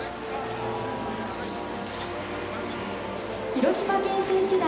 広島県選手団。